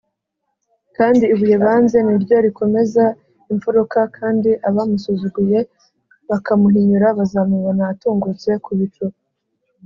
Kandi ibuye banze niryo rikomeza impfuruka, kandi abamusuzuguye bakamuhinyura bazamubona atungutse ku bicu.